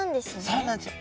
そうなんですよ。